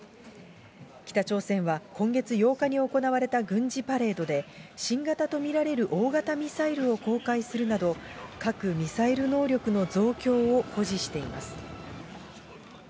北朝鮮は、今月８日に行われた軍事パレードで、新型と見られる大型ミサイルを公開するなど、核・ミサイル能力の増強を誇示しています。